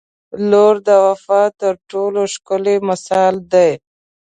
• لور د وفا تر ټولو ښکلی مثال دی.